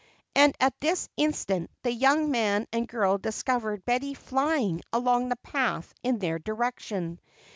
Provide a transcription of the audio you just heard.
And at this instant the young man and girl discovered Betty flying along the path in their direction.